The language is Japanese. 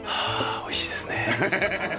おいしいですね